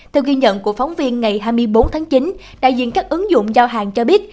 theo ghi nhận của phóng viên ngày hai mươi bốn tháng chín đại diện các ứng dụng giao hàng cho biết